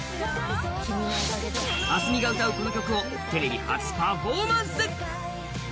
ａｓｍｉが歌うこの曲をテレビ初パフォーマンス！